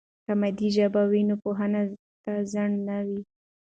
که مادي ژبه وي، نو پوهې ته خنډ نه وي.